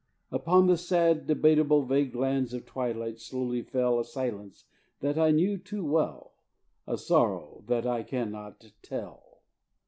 Upon the sad, debatable Vague lands of twilight slowly fell A silence that I knew too well, A sorrow that I can not tell.